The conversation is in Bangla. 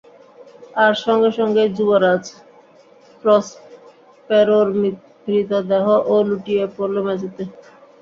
আর সঙ্গে সঙ্গেই যুবরাজ প্রসপ্যারোর মৃতদেহও লুটিয়ে পড়ল মেঝেতে।